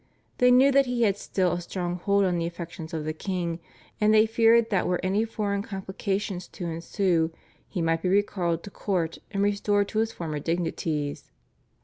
They knew that he had still a strong hold on the affections of the king, and they feared that were any foreign complications to ensue he might be recalled to court and restored to his former dignities.